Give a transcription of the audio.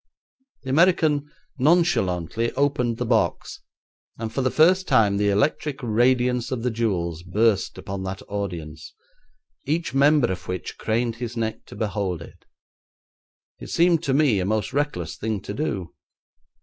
The American nonchalantly opened the box and for the first time the electric radiance of the jewels burst upon that audience, each member of which craned his neck to behold it. It seemed to me a most reckless thing to do.